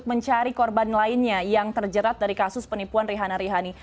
mencari korban lainnya yang terjerat dari kasus penipuan rihana rihani